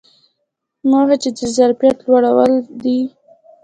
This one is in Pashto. موخه یې د ظرفیت لوړول دي.